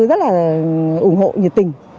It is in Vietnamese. rất là ủng hộ nhiệt tình